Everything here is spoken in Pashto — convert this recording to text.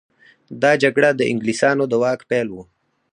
دا جګړه د انګلیسانو د واک پیل و.